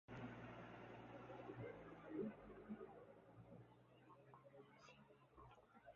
• Tili shirin, ammo yuragi achchiq.